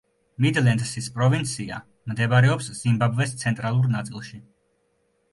მიდლენდსის პროვინცია მდებარეობს ზიმბაბვეს ცენტრალურ ნაწილში.